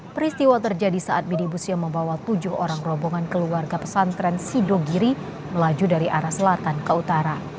peristiwa terjadi saat midibus yang membawa tujuh orang rombongan keluarga pesantren sidogiri melaju dari arah selatan ke utara